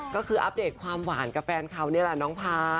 ก็คืออัปเดตความหวานกับแฟนเขานี่แหละน้องพา